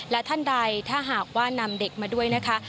และท่านใดถ้าหากว่านำเด็กมาด้วยนะคะ